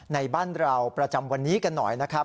ในบ้านเราประจำวันนี้กันหน่อยนะครับ